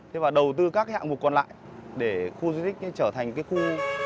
thế và đầu tư các cái hạng mục còn lại để khu di tích trở thành cái khu